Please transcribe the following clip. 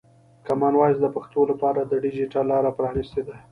کامن وایس د پښتو لپاره د ډیجیټل لاره پرانستې ده.